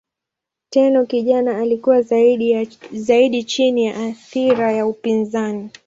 Tenno kijana alikuwa zaidi chini ya athira ya upinzani.